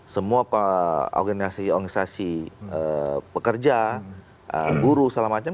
semua organisasi organisasi pekerja guru segala macam